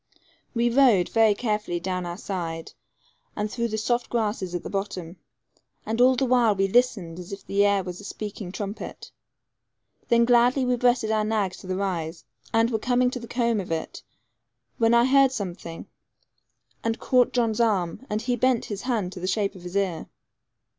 We rode very carefully down our side, and through the soft grass at the bottom, and all the while we listened as if the air was a speaking trumpet. Then gladly we breasted our nags to the rise, and were coming to the comb of it, when I heard something, and caught John's arm, and he bent his hand to the shape of his ear.